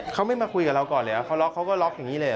เขาไม่มาคุยกับเราก่อนเหรอเขาล็อกเขาก็ล็อกอย่างนี้เลยเห